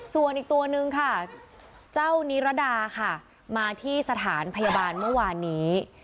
ส่วนอีกตัวนึงค่ะเจ้านิรดาค่ะมาที่สถานพยาบาลเมื่อวานนี้